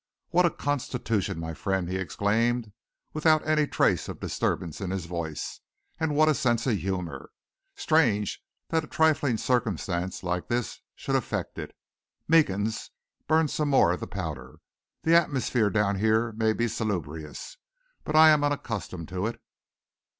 "What a constitution, my friend!" he exclaimed, without any trace of disturbance in his voice. "And what a sense of humour! Strange that a trifling circumstance like this should affect it. Meekins, burn some more of the powder. The atmosphere down here may be salubrious, but I am unaccustomed to it."